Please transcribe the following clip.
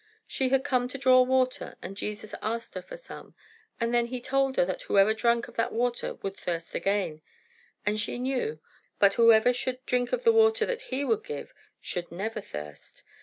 She had come to draw water, and Jesus asked her for some; and then he told her that whoever drank of that water would thirst again as she knew; but whoever should drink of the water that he would give, should never thirst.